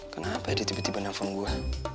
kenapa itu tiba tiba nelfon gue